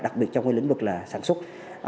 đặc biệt trong cái lĩnh vực là sản xuất